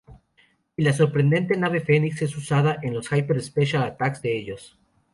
Y la sorprendente nave Fenix es usada en los "Hyper Special Attacks" de ellos.